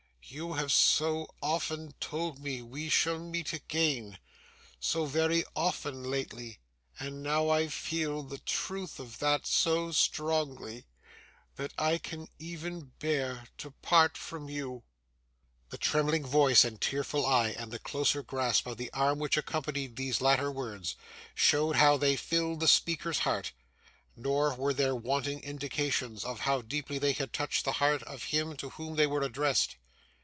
You have so often told me we shall meet again so very often lately, and now I feel the truth of that so strongly that I can even bear to part from you.' The trembling voice and tearful eye, and the closer grasp of the arm which accompanied these latter words, showed how they filled the speaker's heart; nor were there wanting indications of how deeply they had touched the heart of him to whom they were addressed.